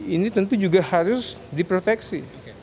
ini tentu juga harus diproteksi